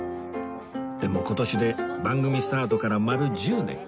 でも今年で番組スタートから丸１０年